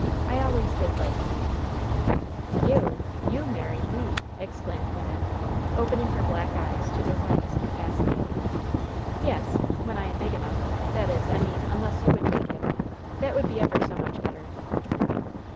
I always did like Le." "You! You marry Le!" exclaimed Wynnette, opening her black eyes to their widest capacity. "Yes, when I am big enough that is, I mean, unless you would take him. That would be ever so much better."